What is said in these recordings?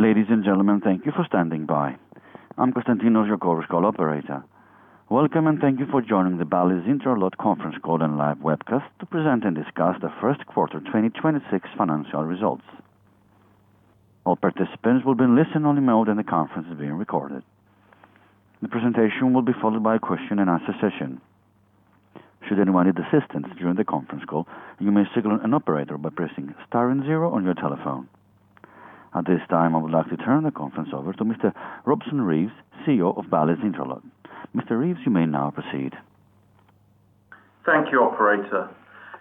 Ladies and gentlemen, thank you for standing by. I'm Constantinos, your conference call operator. Welcome, and thank you for joining the Bally's Intralot conference call and live webcast to present and discuss the Q1 2026 financial results. All participants will be in listen-only mode, and the conference is being recorded. The presentation will be followed by a question and answer session. Should anyone need assistance during the conference call, you may signal an operator by pressing star and zero on your telephone. At this time, I would like to turn the conference over to Mr. Robeson Reeves, CEO of Bally's Intralot. Mr. Reeves, you may now proceed. Thank you, operator.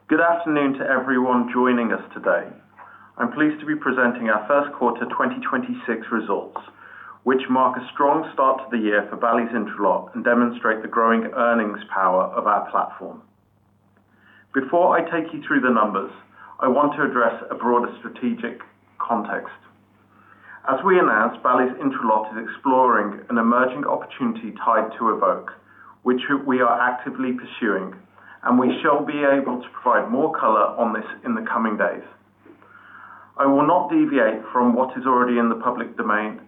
Good afternoon to everyone joining us today. I'm pleased to be presenting our Q1 2026 results, which mark a strong start to the year for Bally's Intralot and demonstrate the growing earnings power of our platform. Before I take you through the numbers, I want to address a broader strategic context. As we announced, Bally's Intralot is exploring an emerging opportunity tied to Evoke, which we are actively pursuing, and we shall be able to provide more color on this in the coming days. I will not deviate from what is already in the public domain,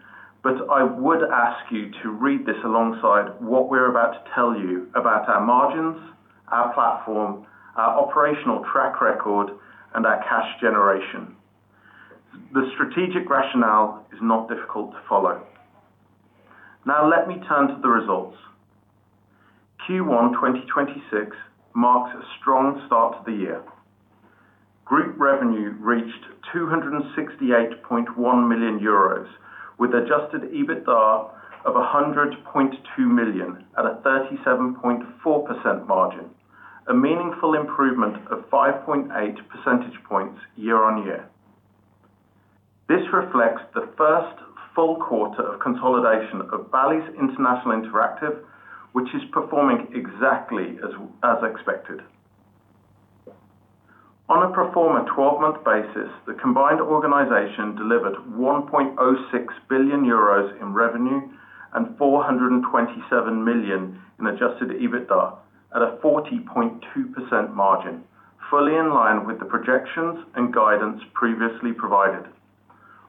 but I would ask you to read this alongside what we're about to tell you about our margins, our platform, our operational track record, and our cash generation. The strategic rationale is not difficult to follow. Now, let me turn to the results. Q1 2026 marks a strong start to the year. Group revenue reached 268.1 million euros, with adjusted EBITDA of 100.2 million at a 37.4% margin, a meaningful improvement of 5.8 percentage points year-on-year. This reflects the first full quarter of consolidation of Bally's International Interactive, which is performing exactly as expected. On a pro forma 12-month basis, the combined organization delivered 1.06 billion euros in revenue and 427 million in adjusted EBITDA at a 40.2% margin, fully in line with the projections and guidance previously provided.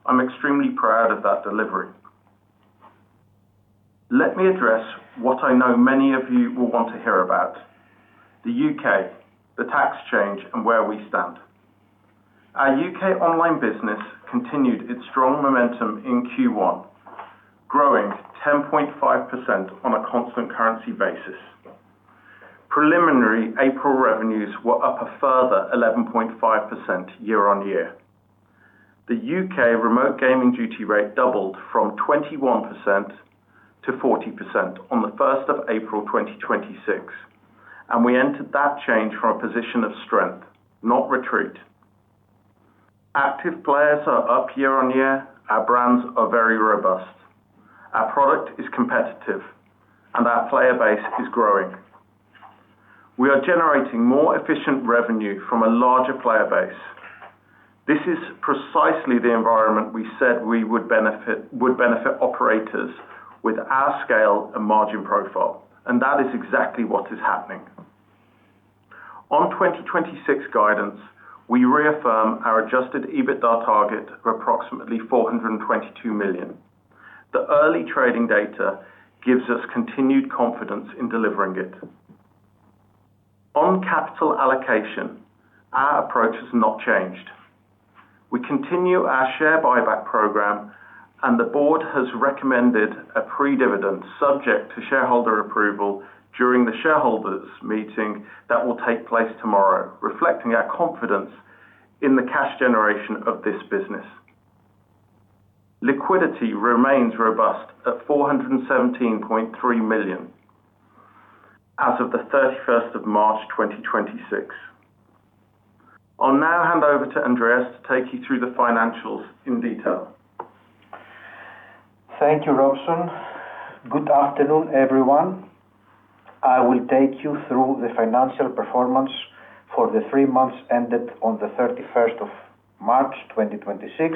I'm extremely proud of that delivery. Let me address what I know many of you will want to hear about. The U.K., the tax change, and where we stand. Our U.K. online business continued its strong momentum in Q1, growing 10.5% on a constant currency basis. Preliminary April revenues were up a further 11.5% year-on-year. The U.K. Remote Gaming Duty rate doubled from 21% to 40% on April 1st 2026, and we entered that change from a position of strength, not retreat. Active players are up year-on-year. Our brands are very robust. Our product is competitive, and our player base is growing. We are generating more efficient revenue from a larger player base. This is precisely the environment we said would benefit operators with our scale and margin profile, and that is exactly what is happening. On 2026 guidance, we reaffirm our adjusted EBITDA target of approximately 422 million. The early trading data gives us continued confidence in delivering it. On capital allocation, our approach has not changed. We continue our share buyback program, and the board has recommended a pre-dividend subject to shareholder approval during the shareholders' meeting that will take place tomorrow, reflecting our confidence in the cash generation of this business. Liquidity remains robust at 417.3 million as of March 31st, 2026. I'll now hand over to Andreas to take you through the financials in detail. Thank you, Robeson. Good afternoon, everyone. I will take you through the financial performance for the three months ended on March 31st, 2026,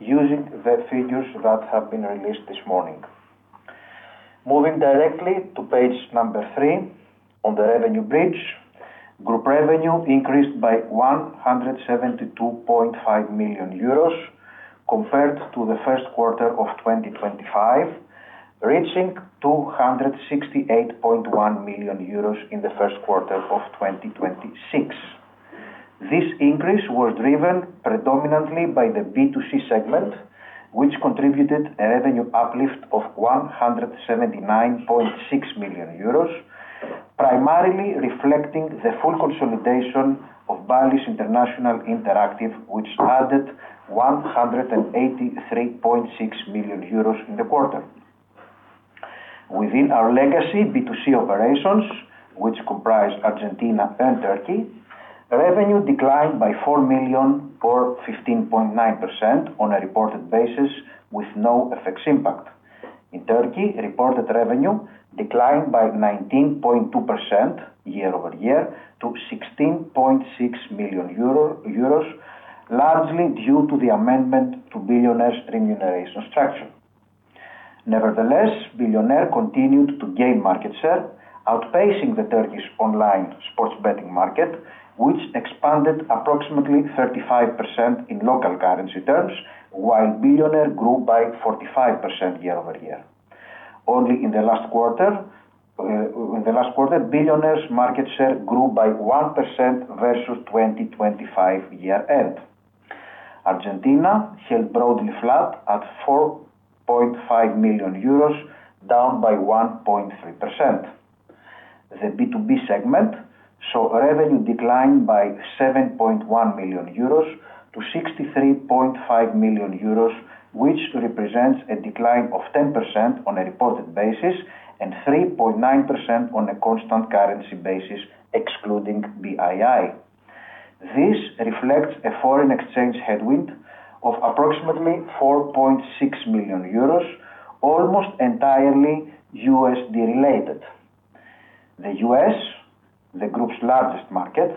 using the figures that have been released this morning. Moving directly to page number 3 on the revenue bridge. Group revenue increased by 172.5 million euros compared to the Q1 of 2025, reaching 268.1 million euros in the Q1 of 2026. This increase was driven predominantly by the B2C segment, which contributed a revenue uplift of 179.6 million euros, primarily reflecting the full consolidation of Bally's International Interactive, which added 183.6 million euros in the quarter. Within our legacy B2C operations, which comprise Argentina and Turkey, revenue declined by 4 million, or 15.9% on a reported basis with no FX impact. In Turkey, reported revenue declined by 19.2% year-over-year to 16.6 million euro, largely due to the amendment to Bilyoner's remuneration structure. Nevertheless, Bilyoner continued to gain market share, outpacing the Turkish online sports betting market, which expanded approximately 35% in local currency terms, while Bilyoner grew by 45% year-over-year. Only in the last quarter, Bilyoner market share grew by 1% versus 2025 year-end. Argentina held broadly flat at 4.5 million euros, down by 1.3%. The B2B segment saw revenue decline by 7.1 million euros to 63.5 million euros, which represents a decline of 10% on a reported basis and 3.9% on a constant currency basis excluding BII. This reflects a foreign exchange headwind of approximately 4.6 million euros, almost entirely USD related. The U.S., the group's largest market,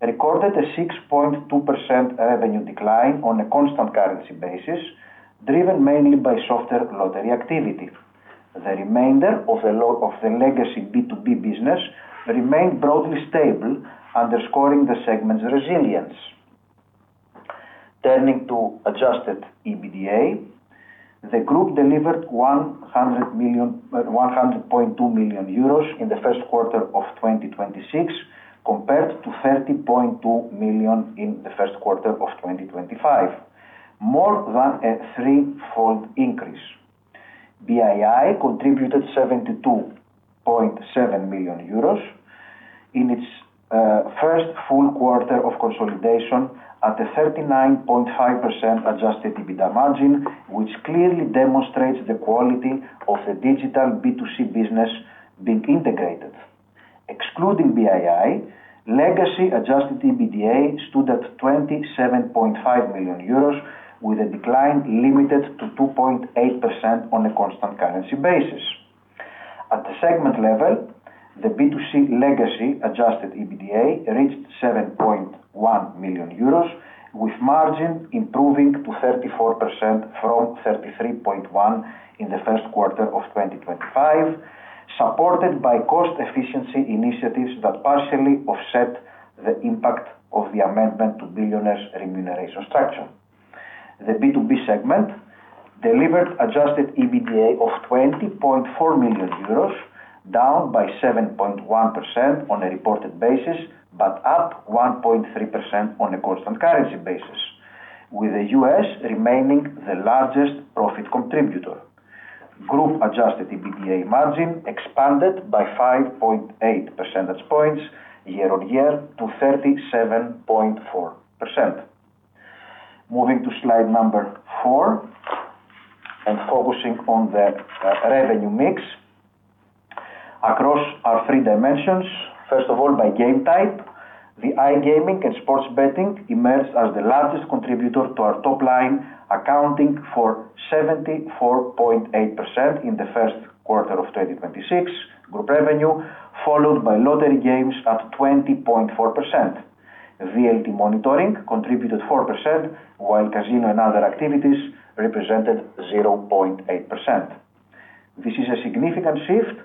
recorded a 6.2% revenue decline on a constant currency basis, driven mainly by softer lottery activity. The remainder of the legacy B2B business remained broadly stable, underscoring the segment's resilience. Turning to adjusted EBITDA, the group delivered 100.2 million euros in the Q1 of 2026, compared to 30.2 million in the Q1 of 2025, more than a threefold increase. BII contributed 72.7 million euros in its first full quarter of consolidation at a 39.5% adjusted EBITDA margin, which clearly demonstrates the quality of the digital B2C business being integrated. Excluding BII, legacy adjusted EBITDA stood at 27.5 million euros, with a decline limited to 2.8% on a constant currency basis. At the segment level, the B2C legacy adjusted EBITDA reached 7.1 million euros, with margin improving to 34% from 33.1% in the Q1 of 2025, supported by cost efficiency initiatives that partially offset the impact of the amendment to Bilyoner's remuneration structure. The B2B segment delivered adjusted EBITDA of 20.4 million euros, down by 7.1% on a reported basis, but up 1.3% on a constant currency basis, with the U.S. remaining the largest profit contributor. Group adjusted EBITDA margin expanded by 5.8 percentage points year-over-year to 37.4%. Moving to slide number 4 and focusing on the revenue mix. Across our three dimensions, first of all, by game type, the iGaming and sports betting emerged as the largest contributor to our top line, accounting for 74.8% in the Q1 of 2026 group revenue, followed by lottery games at 20.4%. VLT monitoring contributed 4%, while casino and other activities represented 0.8%. This is a significant shift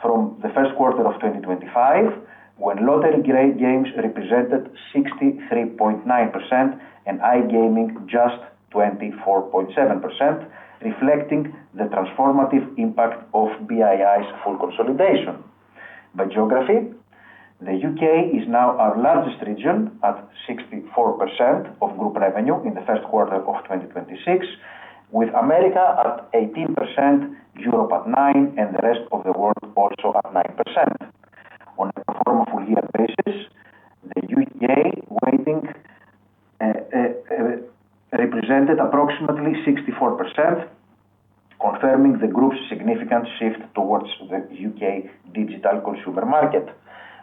from the Q1 of 2025, when lottery games represented 63.9% and iGaming just 24.7%, reflecting the transformative impact of BII's full consolidation. By geography, the U.K. is now our largest region at 64% of group revenue in the Q1 of 2026, with America at 18%, Europe at 9%, and the rest of the world also at 9%. On a pro forma full year basis, the U.K. weighting represented approximately 64%, confirming the group's significant shift towards the U.K. digital consumer market.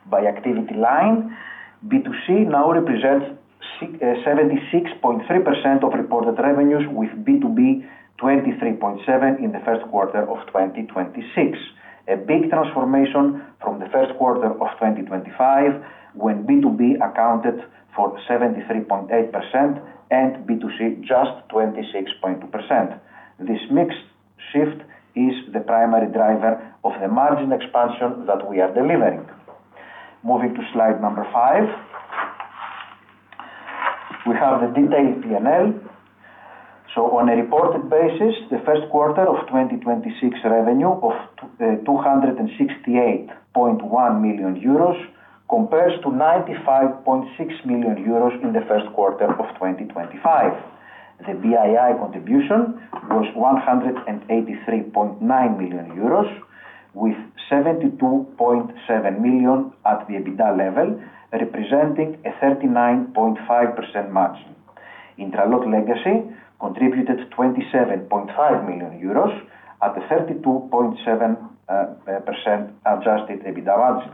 By activity line, B2C now represents 76.3% of reported revenues, with B2B 23.7% in the Q1 of 2026. A big transformation from the Q1 of 2025, when B2B accounted for 73.8% and B2C just 26.2%. This mix shift is the primary driver of the margin expansion that we are delivering. Moving to slide number 5. We have the detailed P&L. On a reported basis, the Q1 of 2026 revenue of 268.1 million euros compares to 95.6 million euros in the Q1 of 2025. The BII contribution was 183.9 million euros, with 72.7 million at the EBITDA level, representing a 39.5% margin. Intralot legacy contributed 27.5 million euros at a 32.7% adjusted EBITDA margin.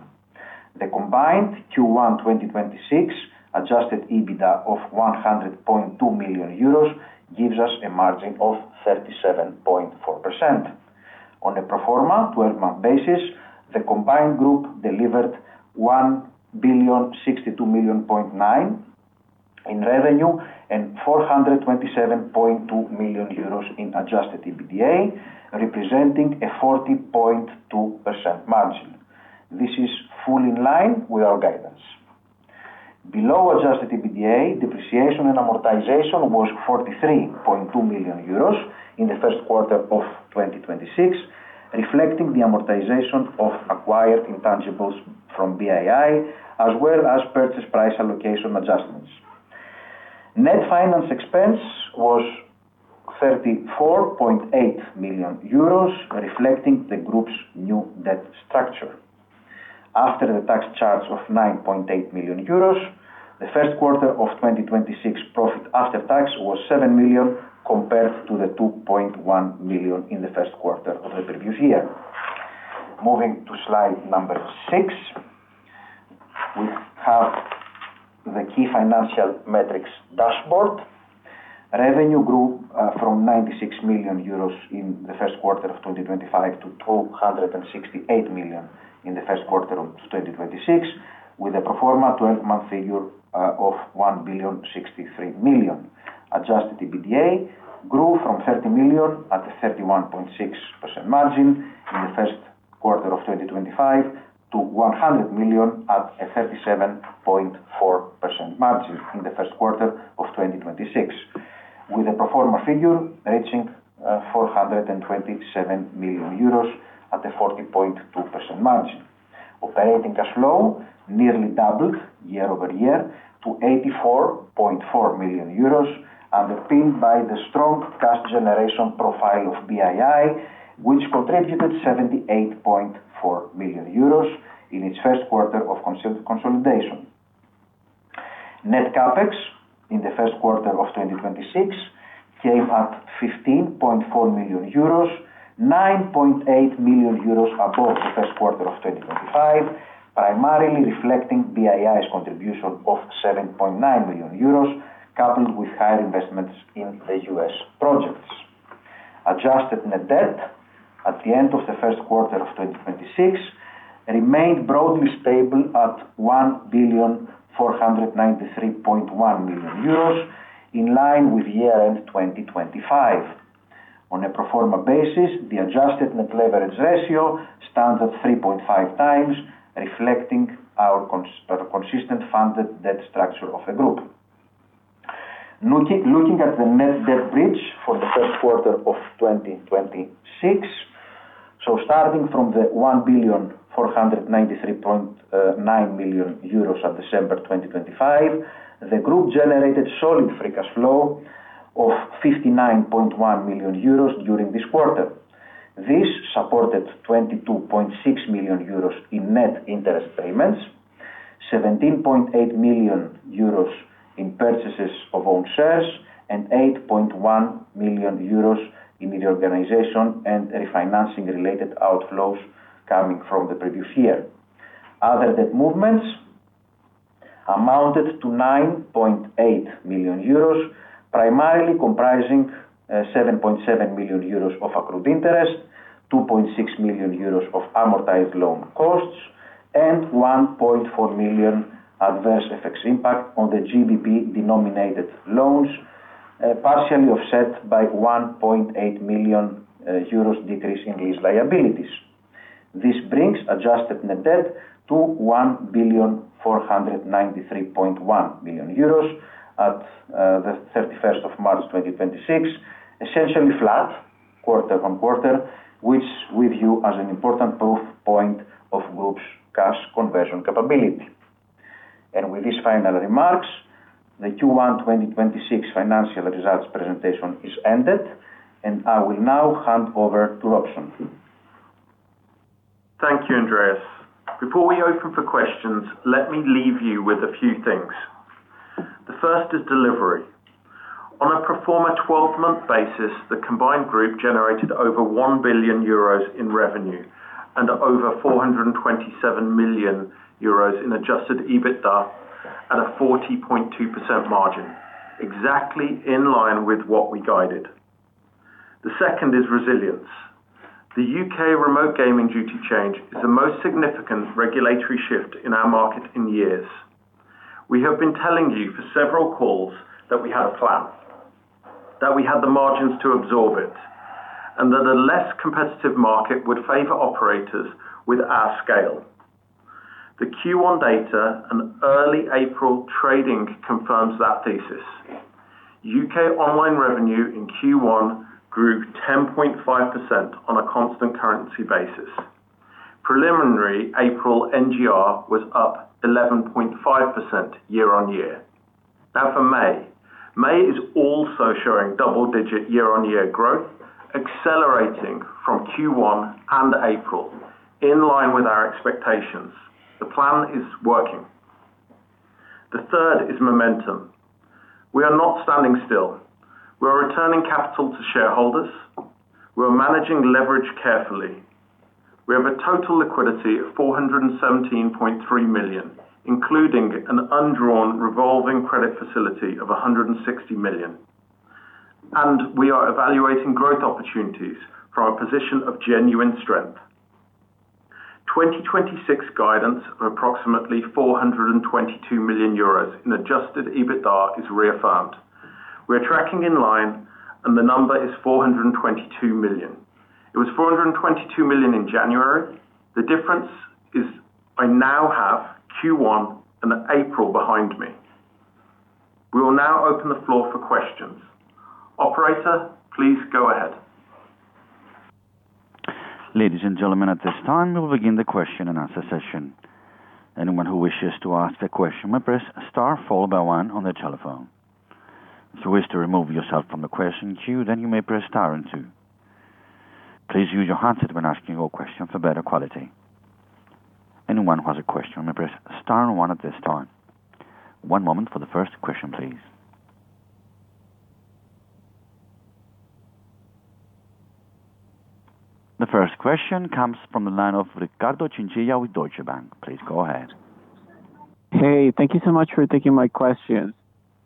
The combined Q1 2026 adjusted EBITDA of 100.2 million euros gives us a margin of 37.4%. On a pro forma 12-month basis, the combined group delivered 1,062.9 million in revenue, and 427.2 million euros in adjusted EBITDA, representing a 40.2% margin. This is fully in line with our guidance. Below adjusted EBITDA, depreciation and amortization was 43.2 million euros in the Q1 of 2026, reflecting the amortization of acquired intangibles from BII, as well as purchase price allocation adjustments. Net finance expense was 34.8 million euros, reflecting the group's new debt structure. After the tax charge of 9.8 million euros, the Q1 of 2026 profit after tax was 7 million compared to the 2.1 million in the Q1 of the previous year. Moving to slide number 6, we have the key financial metrics dashboard. Revenue grew from 96 million euros in the Q1 of 2025 to 268 million in the Q1 of 2026, with a pro forma 12-month figure of 1 billion, 63 million. adjusted EBITDA grew from 30 million at a 31.6% margin in the Q1 of 2025 to 100 million at a 37.4% margin in the Q1 of 2026, with a pro forma figure reaching 427 million euros at a 40.2% margin. Operating cash flow nearly doubled year-over-year to 84.4 million euros, underpinned by the strong cash generation profile of BII, which contributed 78.4 million euros in its Q1 of consolidation. Net CapEx in the Q1 of 2026 came at 15.4 million euros, 9.8 million euros above the Q1 of 2025, primarily reflecting BII's contribution of 7.9 million euros, coupled with higher investments in the U.S. projects. Adjusted net debt at the end of the Q1 of 2026 remained broadly stable at 1 billion euros, 493.1 million euros, in line with year-end 2025. On a pro forma basis, the adjusted net leverage ratio stands at 3.5x, reflecting our consistent funded debt structure of the group. Looking at the net debt bridge for the Q1 of 2026. Starting from the 1 billion, 493.9 million euros on December 2025, the group generated solid free cash flow of 59.1 million euros during this quarter. This supported 22.6 million euros in net interest payments, 17.8 million euros in purchases of own shares, and 8.1 million euros in reorganization and refinancing related outflows coming from the previous year. Other debt movements amounted to 9.8 million euros, primarily comprising 7.7 million euros of accrued interest, 2.6 million euros of amortized loan costs, and 1.4 million adverse FX impact on the GBP-denominated loans, partially offset by 1.8 million euros decrease in lease liabilities. This brings adjusted net debt to 1,493.1 million euros at March 31, 2026, essentially flat quarter-on-quarter, which we view as an important proof point of Group's cash conversion capability. With these final remarks, the Q1 2026 financial results presentation is ended, and I will now hand over to Robeson. Thank you, Andreas. Before we open for questions, let me leave you with a few things. The first is delivery. On a pro forma 12-month basis, the combined group generated over 1 billion euros in revenue and over 427 million euros in adjusted EBITDA at a 40.2% margin, exactly in line with what we guided. The second is resilience. The U.K. Remote Gaming Duty change is the most significant regulatory shift in our market in years. We have been telling you for several calls that we had a plan, that we had the margins to absorb it, and that a less competitive market would favor operators with our scale. The Q1 data and early April trading confirms that thesis. U.K. online revenue in Q1 grew 10.5% on a constant currency basis. Preliminary April NGR was up 11.5% year-on-year. For May. May is also showing double-digit year-on-year growth, accelerating from Q1 and April, in line with our expectations. The plan is working. The third is momentum. We are not standing still. We are returning capital to shareholders. We are managing leverage carefully. We have a total liquidity of 417.3 million, including an undrawn revolving credit facility of 160 million. We are evaluating growth opportunities from a position of genuine strength. 2026 guidance of approximately 422 million euros in adjusted EBITDA is reaffirmed. We are tracking in line, and the number is 422 million. It was 422 million in January. The difference is I now have Q1 and April behind me. We will now open the floor for questions. Operator, please go ahead. Ladies and gentlemen, at this time, we will begin the question and answer session. Anyone who wishes to ask a question may press star followed by one on their telephone. If you wish to remove yourself from the question queue, then you may press star and two. Please use your handset when asking your question for better quality. Anyone who has a question may press star and one at this time. One moment for the first question, please. The first question comes from the line of Ricardo Chinchilla with Deutsche Bank. Please go ahead. Hey, thank you so much for taking my question.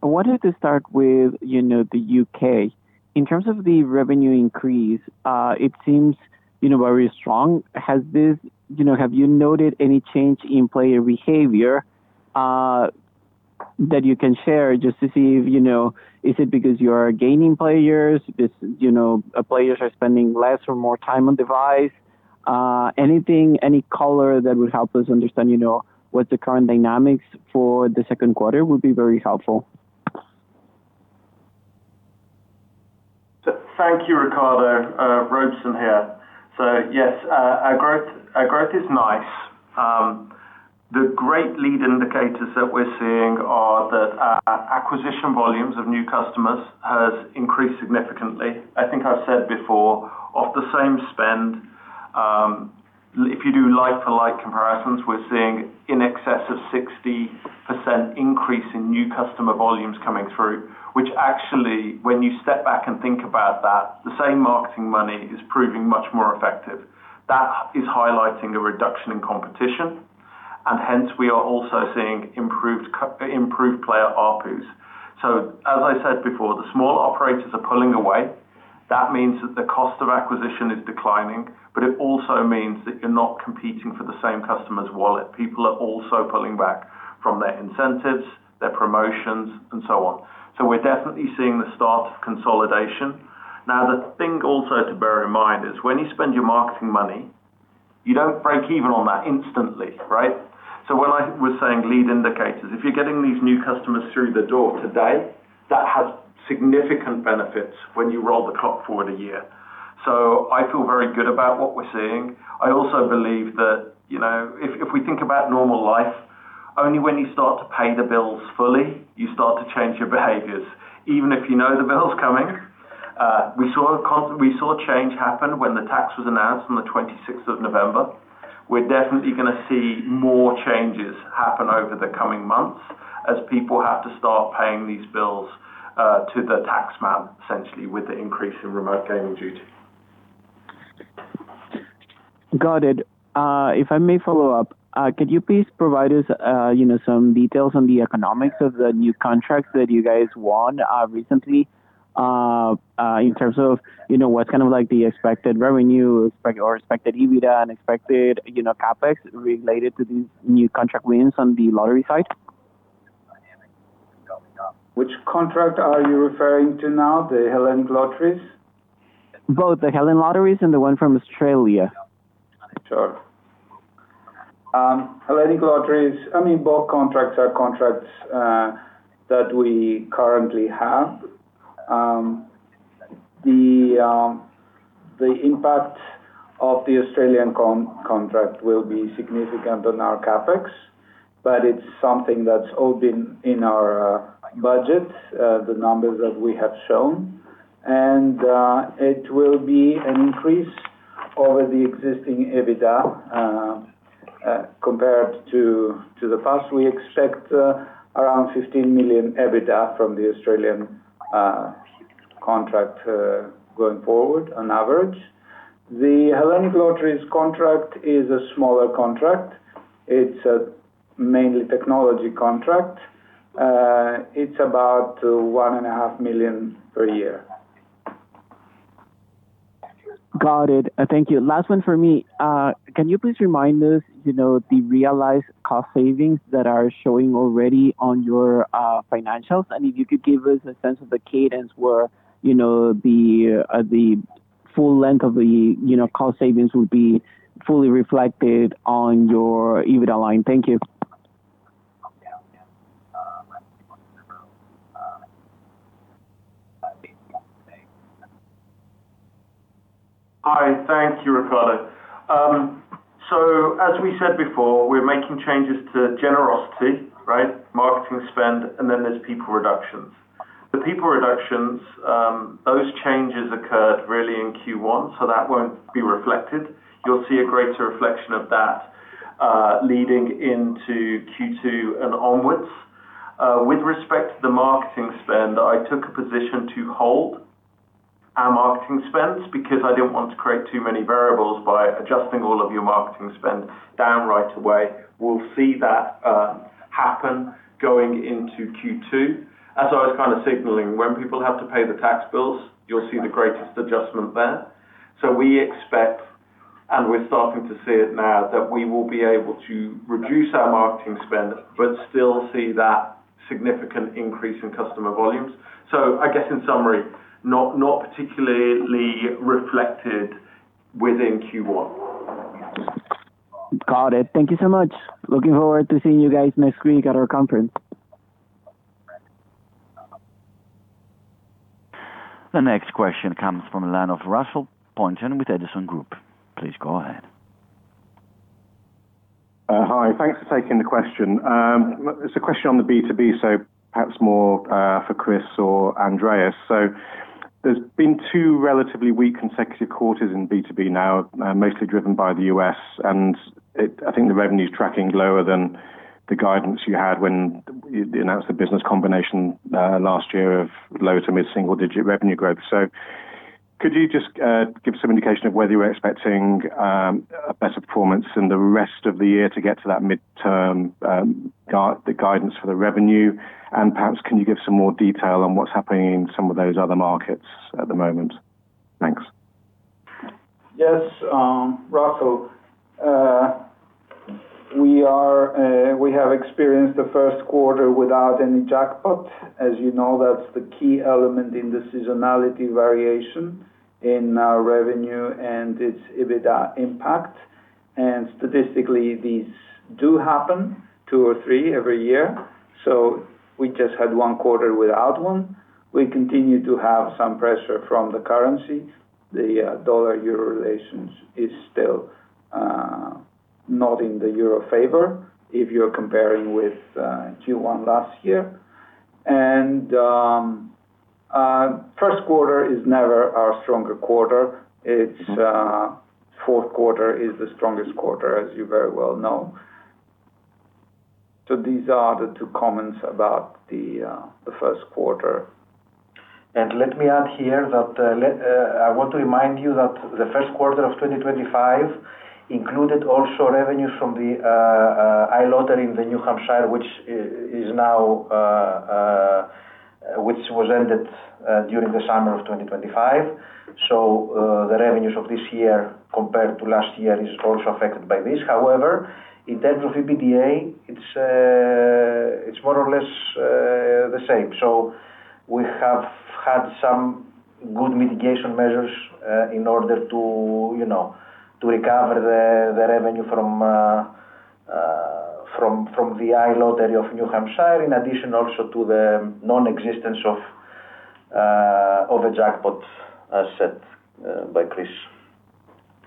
I wanted to start with the U.K. In terms of the revenue increase, it seems very strong. Have you noted any change in player behavior that you can share just to see is it because you are gaining players are spending less or more time on device? Anything, any color that would help us understand what the current dynamics for the Q2 would be very helpful. Thank you, Ricardo. Robeson here. Yes, our growth is nice. The great lead indicators that we're seeing are that our acquisition volumes of new customers has increased significantly. I think I've said before, of the same spend, if you do like for like comparisons, we're seeing in excess of 60% increase in new customer volumes coming through, which actually, when you step back and think about that, the same marketing money is proving much more effective. That is highlighting a reduction in competition, and hence we are also seeing improved player ARPU. As I said before, the small operators are pulling away. That means that the cost of acquisition is declining, but it also means that you're not competing for the same customer's wallet. People are also pulling back from their incentives, their promotions and so on. We're definitely seeing the start of consolidation. The thing also to bear in mind is when you spend your marketing money, you don't break even on that instantly, right? When I was saying lead indicators, if you're getting these new customers through the door today, that has significant benefits when you roll the clock forward a year. I feel very good about what we're seeing. I also believe that if we think about normal life, only when you start to pay the bills fully, you start to change your behaviors, even if you know the bill's coming. We saw a change happen when the tax was announced on the 26th of November. We're definitely going to see more changes happen over the coming months as people have to start paying these bills to the tax man, essentially, with the increase in Remote Gaming Duty. Got it. If I may follow up, could you please provide us some details on the economics of the new contracts that you guys won recently in terms of what's the expected revenue or expected EBITDA and expected CapEx related to these new contract wins on the lottery side? Which contract are you referring to now? The Hellenic Lotteries? Both the Hellenic Lotteries and the one from Australia. Sure. Hellenic Lotteries, both contracts are contracts that we currently have. The impact of the Australian contract will be significant on our CapEx, but it's something that's all been in our budget, the numbers that we have shown. It will be an increase over the existing EBITDA compared to the past. We expect around 15 million EBITDA from the Australian contract going forward on average. The Hellenic Lotteries contract is a smaller contract. It's a mainly technology contract. It's about 1.5 million per year. Got it. Thank you. Last one from me. Can you please remind us the realized cost savings that are showing already on your financials, and if you could give us a sense of the cadence where the full length of the cost savings will be fully reflected on your EBITDA line. Thank you. Hi. Thank you, Ricardo. As we said before, we're making changes to generosity, right? Marketing spend, there's people reductions. The people reductions, those changes occurred really in Q1, so that won't be reflected. You'll see a greater reflection of that leading into Q2 and onwards. With respect to the marketing spend, I took a position to hold our marketing spends because I didn't want to create too many variables by adjusting all of your marketing spend down right away. We'll see that happen going into Q2. As I was kind of signaling, when people have to pay the tax bills, you'll see the greatest adjustment there. We expect and we're starting to see it now that we will be able to reduce our marketing spend, but still see that significant increase in customer volumes. I guess in summary, not particularly reflected within Q1. Got it. Thank you so much. Looking forward to seeing you guys next week at our conference. The next question comes from the line of Russell Pointon with Edison Group. Please go ahead. Hi, thanks for taking the question. It's a question on the B2B, so perhaps more for Chrysostomos Sfatos or Andreas. There's been two relatively weak consecutive quarters in B2B now, mostly driven by the U.S. and I think the revenue's tracking lower than the guidance you had when you announced the business combination last year of low to mid-single digit revenue growth. Could you just give some indication of whether you were expecting a better performance in the rest of the year to get to that midterm, the guidance for the revenue, and perhaps can you give some more detail on what's happening in some of those other markets at the moment? Thanks. Yes, Russell. We have experienced the Q1 without any jackpot. As you know, that's the key element in the seasonality variation in our revenue and its EBITDA impact. Statistically, these do happen two or three every year. We just had one quarter without one. We continue to have some pressure from the currency. The U.S. dollar-EUR relations is still not in the EUR favor if you're comparing with Q1 last year. Q1 is never our stronger quarter. It's Q4 is the strongest quarter, as you very well know. These are the two comments about the Q1. Let me add here that I want to remind you that the Q1 of 2025 included also revenue from the iLottery in New Hampshire, which was ended during the summer of 2025. The revenues of this year compared to last year is also affected by this. However, in terms of EBITDA, it's more or less the same. We have had some good mitigation measures in order to recover the revenue from the iLottery of New Hampshire, in addition also to the non-existence of a jackpot, as said by Chrysostomos.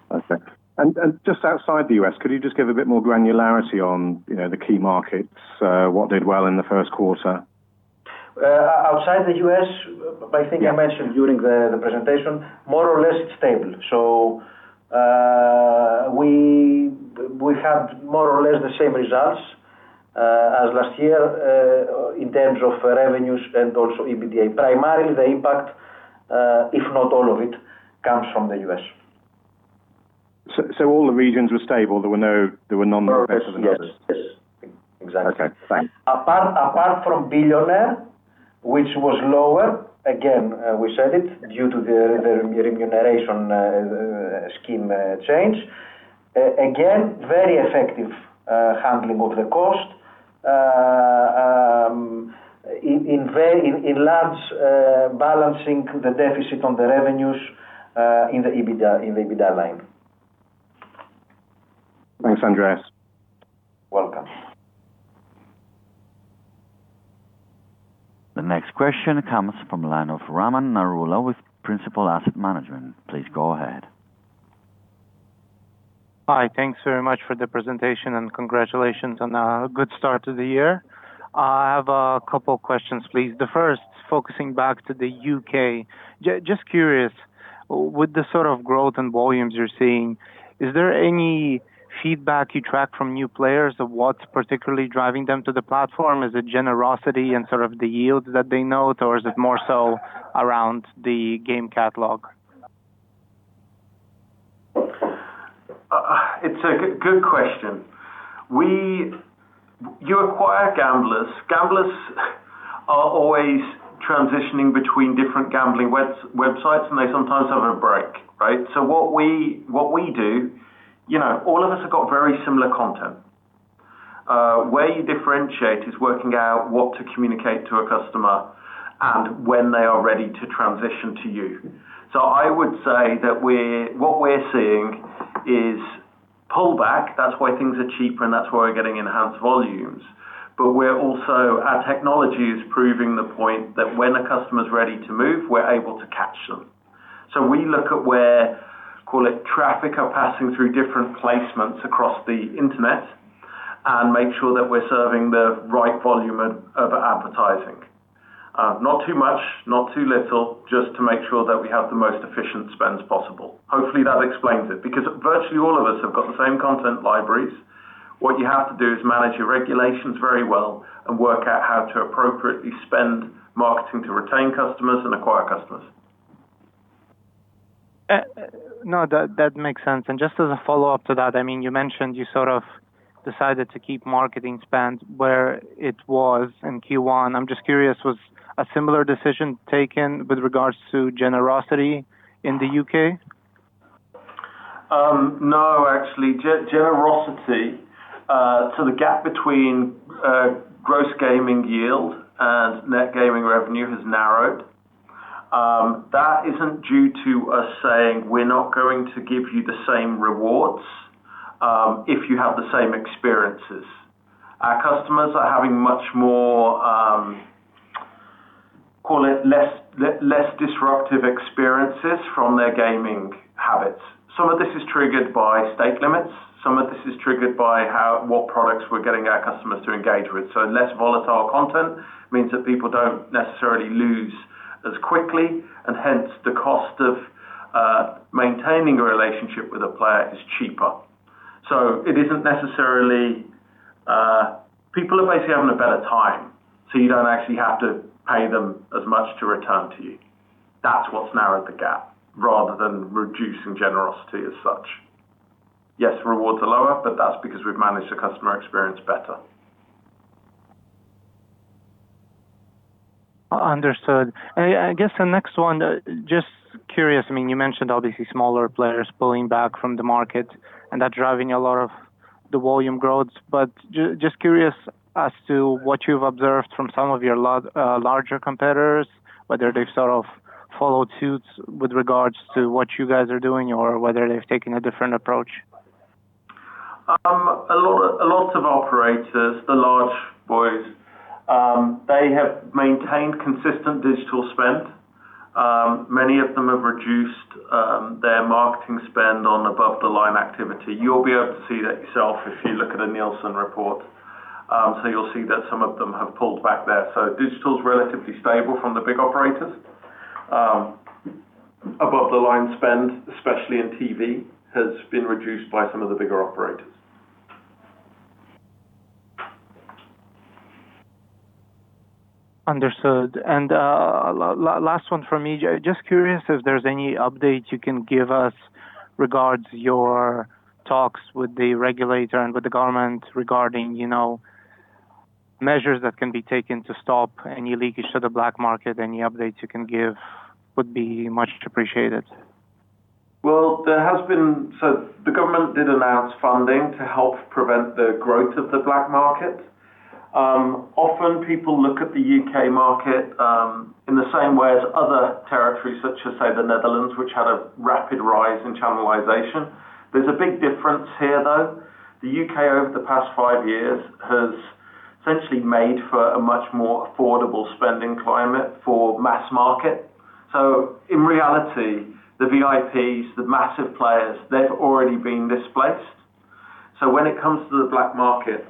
Perfect. Just outside the U.S., could you just give a bit more granularity on the key markets? What did well in the Q1? Outside the U.S., I think I mentioned during the presentation, more or less it's stable. We had more or less the same results as last year in terms of revenues and also EBITDA. Primarily the impact, if not all of it, comes from the U.S. All the regions were stable- No, yes. -more than others? Yes. Exactly. Okay, thanks. Apart from Bilyoner, which was lower, again, we said it, due to the remuneration scheme change. Again, very effective handling of the cost in large balancing the deficit on the revenues in the EBITDA line. Thanks, Andreas. Welcome. The next question comes from the line of Raman Narula with Principal Asset Management. Please go ahead. Hi. Thanks very much for the presentation and congratulations on a good start to the year. I have a couple questions, please. The first is focusing back to the U.K. Just curious, with the sort of growth and volumes you're seeing, is there any feedback you track from new players of what's particularly driving them to the platform? Is it generosity and sort of the yields that they note, or is it more so around the game catalog? It's a good question. You acquire gamblers. Gamblers are always transitioning between different gambling websites, and they sometimes have a break, right? What we do, all of us have got very similar content. Where you differentiate is working out what to communicate to a customer and when they are ready to transition to you. I would say that what we're seeing is pullback. That's why things are cheaper and that's why we're getting enhanced volumes. We're also, our technology is proving the point that when a customer's ready to move, we're able to catch them. We look at where, call it traffic are passing through different placements across the internet, and make sure that we're serving the right volume of advertising. Not too much, not too little, just to make sure that we have the most efficient spends possible. Hopefully that explains it, because virtually all of us have got the same content libraries. What you have to do is manage your regulations very well and work out how to appropriately spend marketing to retain customers and acquire customers. No, that makes sense. Just as a follow-up to that, you mentioned you sort of decided to keep marketing spend where it was in Q1. I'm just curious, was a similar decision taken with regards to generosity in the U.K.? No, actually, the gap between gross gaming yield and net gaming revenue has narrowed. That isn't due to us saying we're not going to give you the same rewards if you have the same experiences. Our customers are having much more, call it less disruptive experiences from their gaming habits. Some of this is triggered by stake limits. Some of this is triggered by what products we're getting our customers to engage with. Less volatile content means that people don't necessarily lose as quickly, and hence the cost of maintaining a relationship with a player is cheaper. People are basically having a better time, you don't actually have to pay them as much to return to you. That's what's narrowed the gap rather than reducing generosity as such. Yes, rewards are lower, that's because we've managed the customer experience better. Understood. I guess the next one, just curious, you mentioned obviously smaller players pulling back from the market and that driving a lot of the volume growth, but just curious as to what you've observed from some of your larger competitors, whether they've sort of followed suit with regards to what you guys are doing or whether they've taken a different approach. A lot of operators, the large boys, they have maintained consistent digital spend. Many of them have reduced their marketing spend on above-the-line activity. You'll be able to see that yourself if you look at a Nielsen report. You'll see that some of them have pulled back there. Digital's relatively stable from the big operators. above-the-line spend, especially in TV, has been reduced by some of the bigger operators. Understood. Last one from me. Just curious if there's any update you can give us regards your talks with the regulator and with the government regarding measures that can be taken to stop any leakage to the black market. Any updates you can give would be much appreciated. The government did announce funding to help prevent the growth of the black market. Often people look at the U.K. market in the same way as other territories such as, say, the Netherlands, which had a rapid rise in channelization. There's a big difference here, though. The U.K. over the past five years has essentially made for a much more affordable spending climate for mass market. In reality, the VIPs, the massive players, they've already been displaced. When it comes to the black market,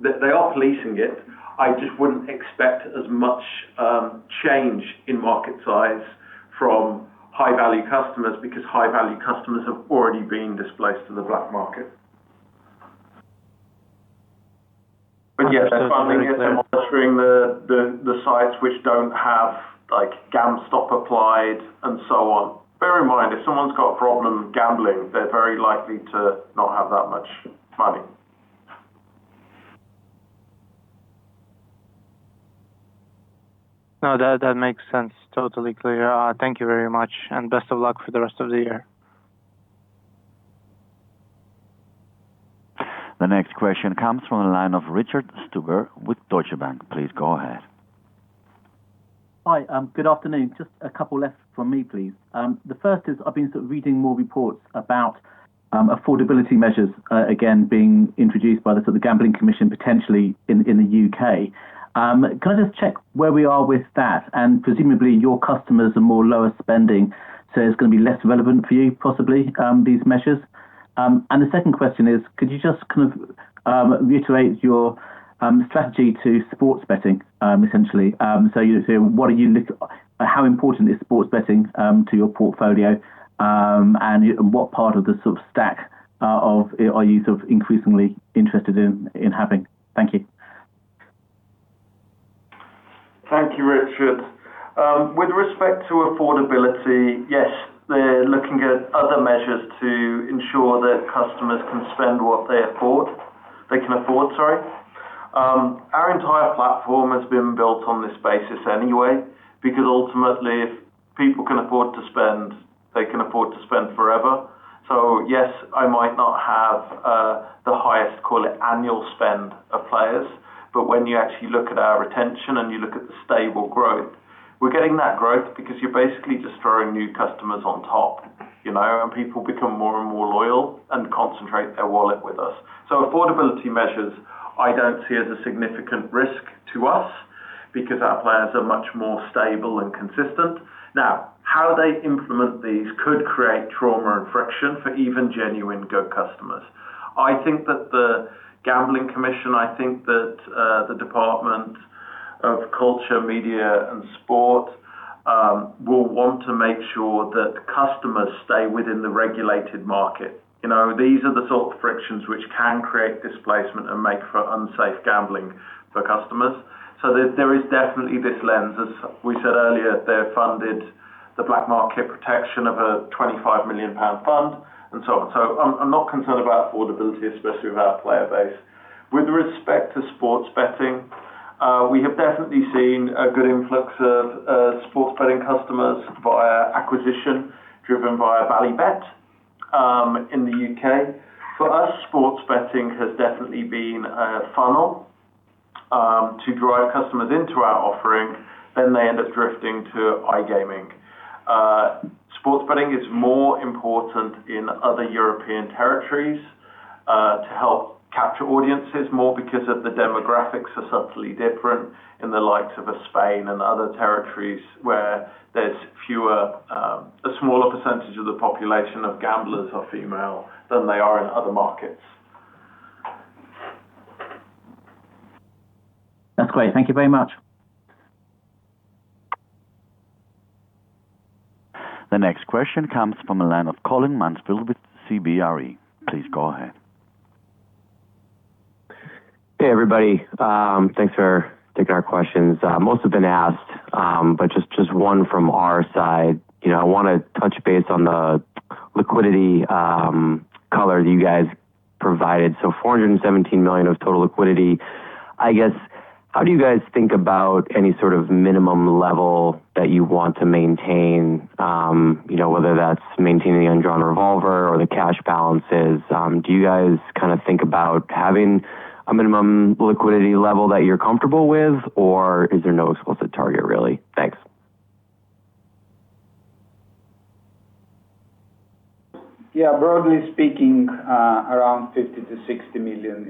they are policing it. I just wouldn't expect as much change in market size from high-value customers because high-value customers have already been displaced to the black market. Understood. Okay. they're monitoring the sites which don't have GamStop applied and so on. Bear in mind, if someone's got a problem with gambling, they're very likely to not have that much money. That makes sense. Totally clear. Thank you very much, and best of luck for the rest of the year. The next question comes from the line of Richard Stuber with Deutsche Bank. Please go ahead. Hi. Good afternoon. Just a couple left from me, please. The first is, I've been sort of reading more reports about affordability measures, again, being introduced by the Gambling Commission potentially in the U.K. Can I just check where we are with that? Presumably your customers are more lower spending, so it is going to be less relevant for you possibly, these measures. The second question is, could you just kind of reiterate your strategy to sports betting, essentially? How important is sports betting to your portfolio and what part of the sort of stack are you increasingly interested in having? Thank you. Thank you, Richard. With respect to affordability, yes, they're looking at other measures to ensure that customers can spend what they can afford. Our entire platform has been built on this basis anyway, because ultimately if people can afford to spend, they can afford to spend forever. Yes, I might not have the highest call it annual spend of players, but when you actually look at our retention and you look at the stable growth, we're getting that growth because you're basically just throwing new customers on top. People become more and more loyal and concentrate their wallet with us. Affordability measures, I don't see as a significant risk to us because our players are much more stable and consistent. Now, how they implement these could create trauma and friction for even genuine good customers. I think that the Gambling Commission, I think that the Department for Culture, Media and Sport will want to make sure that customers stay within the regulated market. These are the sort of frictions which can create displacement and make for unsafe gambling for customers. There is definitely this lens, as we said earlier, they're funded, the black market protection of a 25 million pound fund, and so on. I'm not concerned about affordability, especially with our player base. With respect to sports betting, we have definitely seen a good influx of sports betting customers via acquisition, driven by Bally Bet in the U.K. For us, sports betting has definitely been a funnel to drive customers into our offering, then they end up drifting to iGaming. Sports betting is more important in other European territories to help capture audiences more because of the demographics are subtly different in the likes of Spain and other territories where there's a smaller percentage of the population of gamblers are female than they are in other markets. That's great. Thank you very much. The next question comes from the line of Colin Mansfield with CBRE. Please go ahead. Hey, everybody. Thanks for taking our questions. Most have been asked, but just one from our side. I want to touch base on the liquidity color that you guys provided. 417 million of total liquidity. I guess, how do you guys think about any sort of minimum level that you want to maintain, whether that's maintaining the undrawn revolver or the cash balances? Do you guys think about having a minimum liquidity level that you're comfortable with, or is there no explicit target, really? Thanks. Yeah, broadly speaking, around 50 million-60 million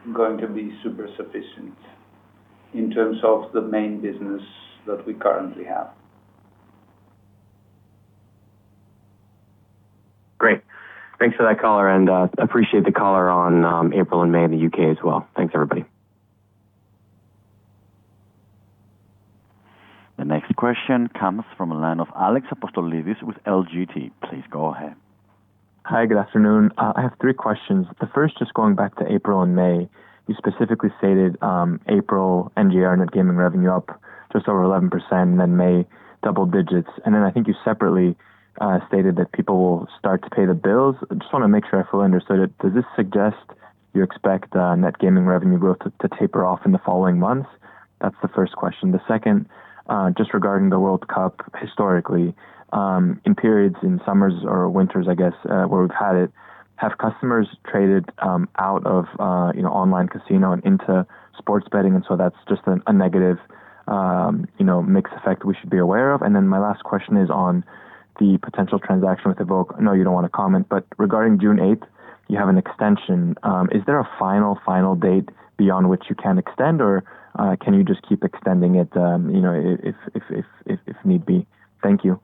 is going to be super sufficient in terms of the main business that we currently have. Great. Thanks for that color and appreciate the color on April and May in the U.K. as well. Thanks, everybody. The next question comes from the line of Alex Apostolides with LGT. Please go ahead. Hi, good afternoon. I have three questions. The first, just going back to April and May. You specifically stated April NGR, net gaming revenue, up just over 11%, and then May double digits. I think you separately stated that people will start to pay the bills. I just want to make sure I fully understood it. Does this suggest you expect net gaming revenue growth to taper off in the following months? That's the first question. The second, just regarding the World Cup historically. In periods in summers or winters, I guess, where we've had it, have customers traded out of online casino and into sports betting, and so that's just a negative mixed effect we should be aware of? My last question is on the potential transaction with Evoke. I know you don't want to comment, but regarding June 8th, you have an extension. Is there a final date beyond which you can extend, or can you just keep extending it if need be? Thank you.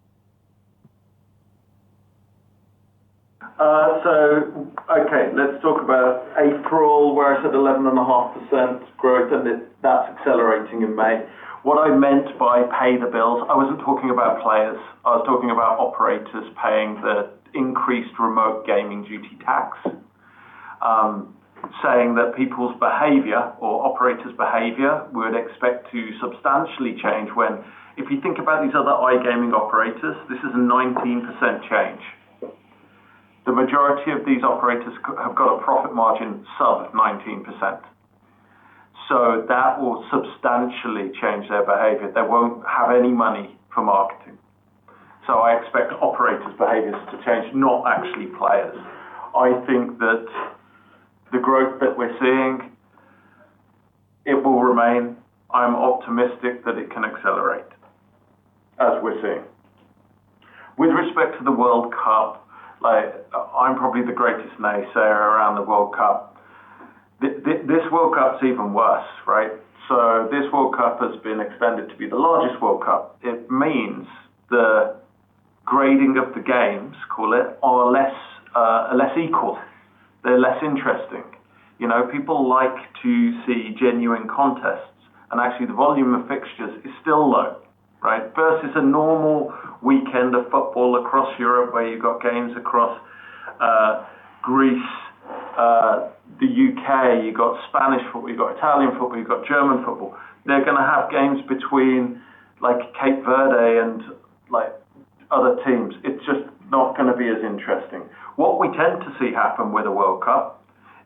Okay, let's talk about April, where I said 11.5% growth, and that's accelerating in May. What I meant by pay the bills, I wasn't talking about players. I was talking about operators paying the increased Remote Gaming Duty tax, saying that people's behavior or operators' behavior we would expect to substantially change. If you think about these other iGaming operators, this is a 19% change. The majority of these operators have got a profit margin sub 19%. That will substantially change their behavior. They won't have any money for marketing. I expect operators' behaviors to change, not actually players. I think that the growth that we're seeing, it will remain. I'm optimistic that it can accelerate, as we're seeing. With respect to the World Cup, I'm probably the greatest naysayer around the World Cup. This World Cup is even worse, right? This World Cup has been expanded to be the largest World Cup. It means the grading of the games, call it, are less equal. They're less interesting. People like to see genuine contests, and actually the volume of fixtures is still low, right? Versus a normal weekend of football across Europe where you've got games across Greece, the U.K., you got Spanish football, you got Italian football, you got German football. They're going to have games between Cape Verde and other teams. It's just not going to be as interesting. What we tend to see happen with a World Cup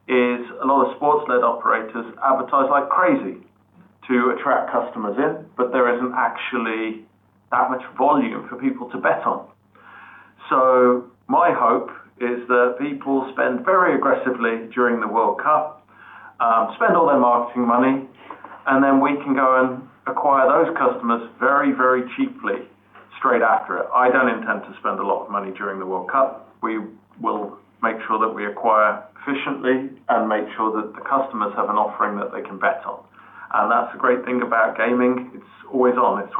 is a lot of sports-led operators advertise like crazy to attract customers in, but there isn't actually that much volume for people to bet on. My hope is that people spend very aggressively during the World Cup, spend all their marketing money, and then we can go and acquire those customers very cheaply straight after it. I don't intend to spend a lot of money during the World Cup. We will make sure that we acquire efficiently and make sure that the customers have an offering that they can bet on. That's the great thing about gaming. It's always on. It's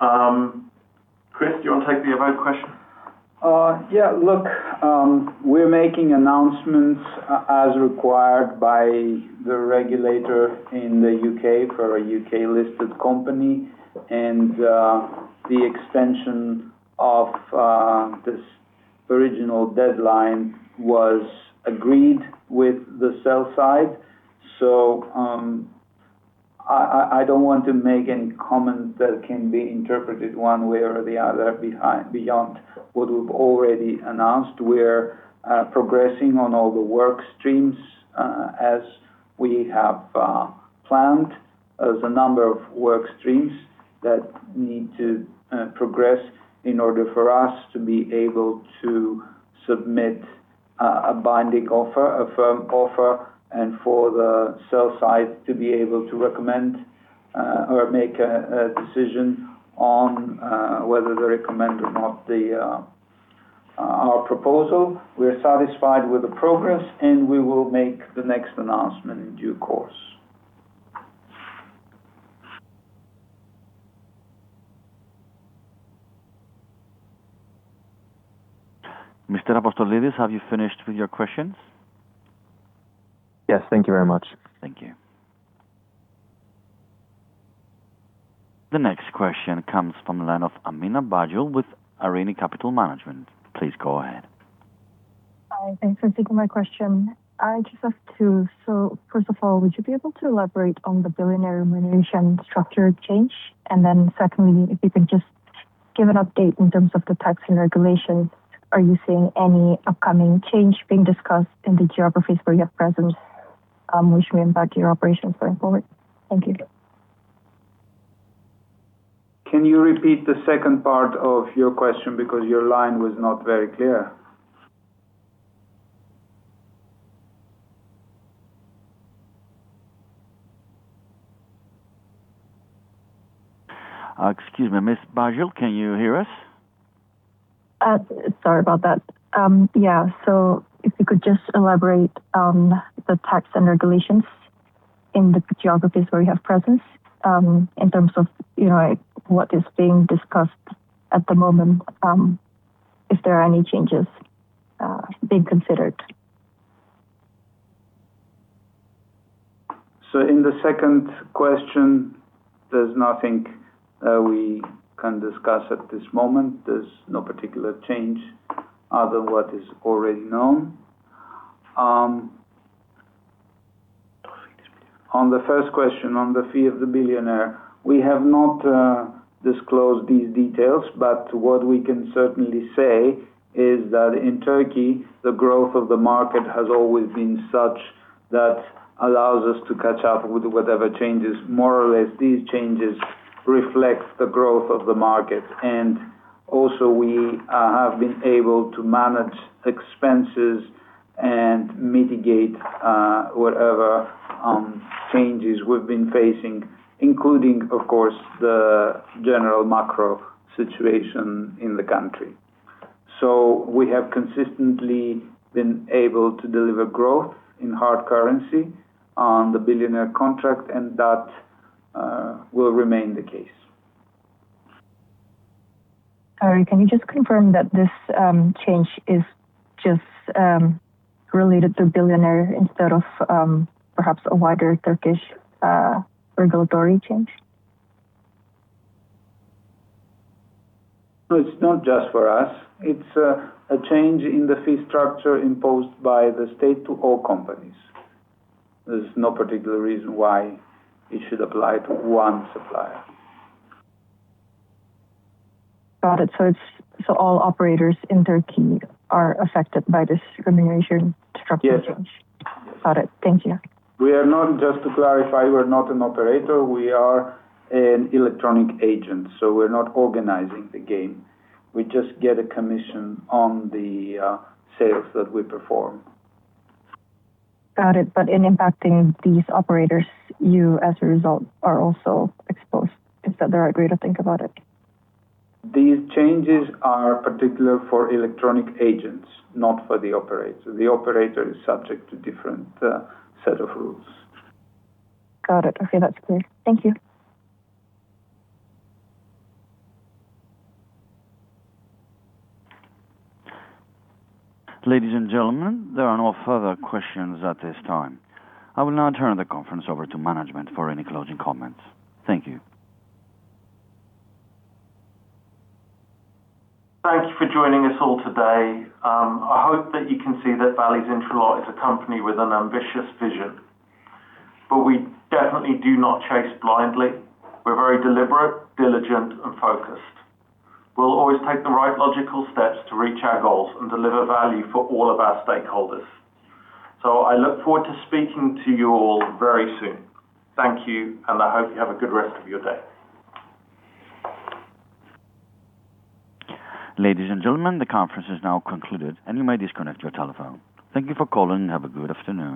24/7. Chrysostomos, do you want to take the Evoke question? Yeah, look, we're making announcements as required by the regulator in the U.K. for a U.K.-listed company, and the extension of this original deadline was agreed with the sell side. I don't want to make any comments that can be interpreted one way or the other beyond what we've already announced. We're progressing on all the work streams as we have planned. There's a number of work streams that need to progress in order for us to be able to submit a binding offer, a firm offer, and for the sell side to be able to recommend or make a decision on whether to recommend or not our proposal. We're satisfied with the progress, and we will make the next announcement in due course. Mr. Apostolides, have you finished with your questions? Yes. Thank you very much. Thank you. The next question comes from the line of Aminah Baagil with Arini Capital Management. Please go ahead. Hi, thanks for taking my question. I just have two. First of all, would you be able to elaborate on the Bilyoner remuneration structure change? Secondly, if you could just give an update in terms of the tax and regulations. Are you seeing any upcoming change being discussed in the geographies where you have presence, which may impact your operations going forward? Thank you. Can you repeat the second part of your question because your line was not very clear? Excuse me, Ms. Baagil, can you hear us? Sorry about that. Yeah. If you could just elaborate on the tax and regulations in the geographies where you have presence, in terms of what is being discussed at the moment, if there are any changes being considered? In the second question, there's nothing we can discuss at this moment. There's no particular change other than what is already known. On the first question, on the fee of the Bilyoner, we have not disclosed these details, but what we can certainly say is that in Turkey, the growth of the market has always been such that allows us to catch up with whatever changes. More or less, these changes reflect the growth of the market. Also we have been able to manage expenses and mitigate whatever changes we've been facing, including, of course, the general macro situation in the country. We have consistently been able to deliver growth in hard currency on the Bilyoner contract, and that will remain the case. Can you just confirm that this change is just related to Bilyoner instead of perhaps a wider Turkish regulatory change? No, it's not just for us. It's a change in the fee structure imposed by the state to all companies. There's no particular reason why it should apply to one supplier. All operators in Turkey are affected by this remuneration structure change? Yes. Got it. Thank you. Just to clarify, we're not an operator. We are an electronic agent. We're not organizing the game. We just get a commission on the sales that we perform. Got it. In impacting these operators, you as a result are also exposed, is that the right way to think about it? These changes are particular for electronic agents, not for the operator. The operator is subject to a different set of rules. Got it. Okay, that's clear. Thank you. Ladies and gentlemen, there are no further questions at this time. I will now turn the conference over to management for any closing comments. Thank you. Thank you for joining us all today. I hope that you can see that Bally's Intralot is a company with an ambitious vision. We definitely do not chase blindly. We're very deliberate, diligent, and focused. We'll always take the right logical steps to reach our goals and deliver value for all of our stakeholders. I look forward to speaking to you all very soon. Thank you, and I hope you have a good rest of your day. Ladies and gentlemen, the conference is now concluded, and you may disconnect your telephone. Thank you for calling, and have a good afternoon.